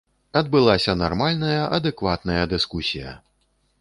Адбылася нармальная, адэкватная дыскусія!